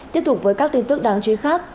tiếp tục với các tin tức đáng chú ý khác